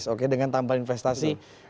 oke dengan tambahan investasi